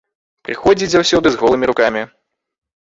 Прыходзіць заўсёды з голымі рукамі.